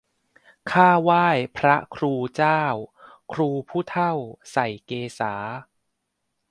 ข้าไหว้พระครูเจ้า ครูผู้เฒ่าใส่เกศา